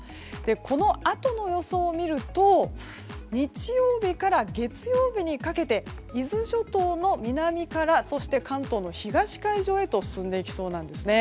このあとの予想を見ると日曜日から月曜日にかけて伊豆諸島の南から関東の東海上へと進んでいきそうなんです。